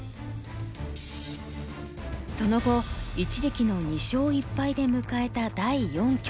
その後一力の２勝１敗で迎えた第四局。